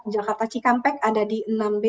jakarta cikampek ada di enam b